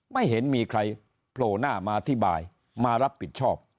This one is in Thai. ไม่เห็นมีใครโผล่หน้ามาอธิบายมารับผิดชอบ